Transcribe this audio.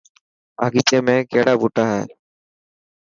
باغيچي ۾ ڪهڙا ٻوٽا هي.